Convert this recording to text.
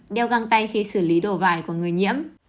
đeo găng tay khi xử lý đồ vải của người nhiễm